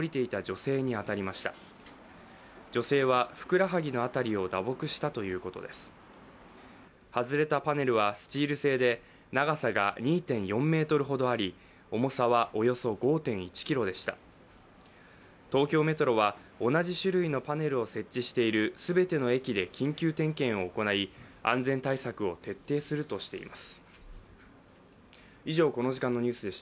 東京メトロは同じ種類のパネルを設置している全ての駅で緊急点検を行い、安全対策を徹底するとしています。